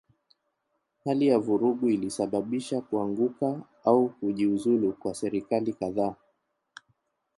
Hali ya vurugu ilisababisha kuanguka au kujiuzulu kwa serikali kadhaa.